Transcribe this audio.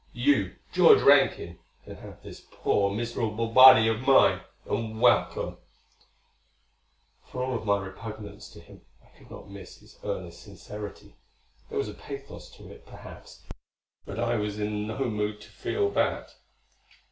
You, George Rankin, can have this poor miserable body of mine, and welcome." For all my repugnance to him, I could not miss his earnest sincerity. There was a pathos to it, perhaps, but I was in no mood to feel that.